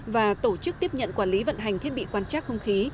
và tổ chức tiếp nhận quản lý vận hành thiết bị quan trắc không khí